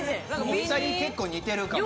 お２人結構似てるかも。